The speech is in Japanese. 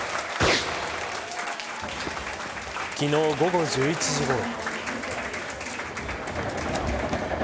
昨日午後１１時ごろ。